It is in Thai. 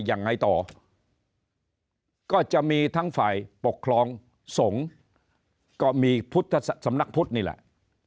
ยังไงต่อก็จะมีทั้งฝ่ายปกครองสงฆ์ก็มีพุทธสำนักพุทธนี่แหละ